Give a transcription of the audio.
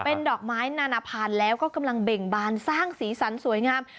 เป็นดอกไม้นานาพันธ์แล้วก็กำลังเบ่งบานสร้างสีสันสวยงาม